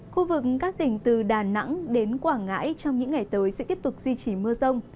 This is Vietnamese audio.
khu vực các tỉnh từ đà nẵng đến quảng ngãi trong những ngày tới sẽ tiếp tục duy trì mưa rông